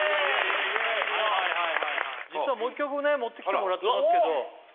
はいはいはいはい実はもう１曲ね持ってきてもらってますけど